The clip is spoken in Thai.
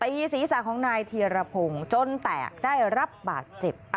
ศีรษะของนายธีรพงศ์จนแตกได้รับบาดเจ็บ